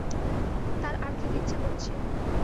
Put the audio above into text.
তার আর খেতে ইচ্ছা করছে।